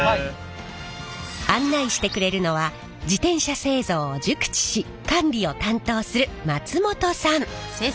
案内してくれるのは自転車製造を熟知し管理を担当する松本さん。